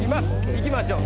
いきましょう。